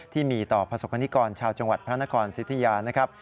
ที่มีต่อประสบกรณิกรชาวจังหวัดพระนครสิทธิยานะครับ